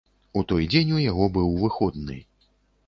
У той дзень у яго быў выходны.